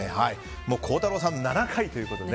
孝太郎さん、７回ということで。